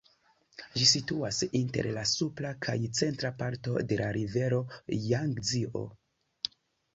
Ĝi situas inter la supra kaj centra parto de la rivero Jangzio.